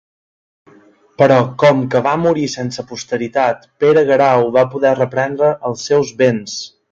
Però com que va morir sense posteritat, Pere Guerau va poder reprendre els seus béns.